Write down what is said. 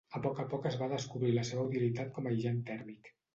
A poc a poc es va descobrir la seva utilitat com aïllant tèrmic.